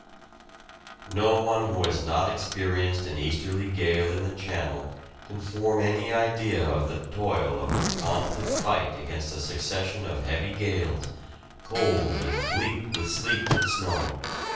No one who has not experienced an easterly gale in the Channel can form any idea of the toil of a constant fight against a succession of heavy gales, cold and bleak with sleet and snow.